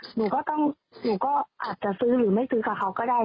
หนูอาจจะซื้อหรือไม่ซื้อกับเขาก็ได้